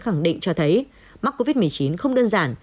khẳng định cho thấy mắc covid một mươi chín không đơn giản